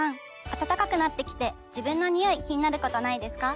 暖かくなってきて自分のニオイ気になることないですか？